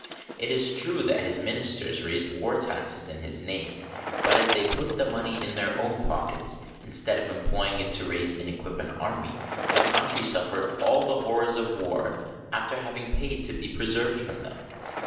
It is true that his ministers raised war taxes in his name ; but, as they put the money in their own pockets instead of employing it to raise and equip an army, the country suffered all the horrors of war after having paid to be preserved from them.